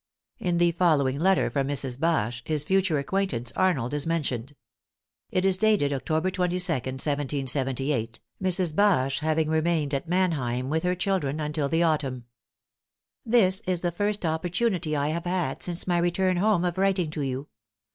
In the following letter from Mrs. Bache, his future acquaintance Arnold is mentioned. It is dated October 22, 1778, Mrs. Bache having remained at Man heim with her children until the autumn. "This is the first opportunity I have had since my return home of writing to you.